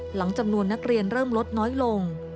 จำนวนนักเรียนเริ่มลดน้อยลง